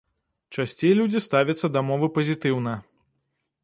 Часцей людзі ставяцца да мовы пазітыўна.